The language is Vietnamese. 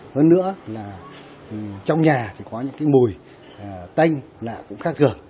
hơn nữa là trong nhà có những mùi tanh lạ cũng khác thường